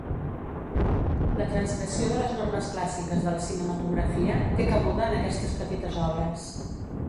La transgressió de les normes clàssiques de la cinematografia té cabuda en aquestes petites obres.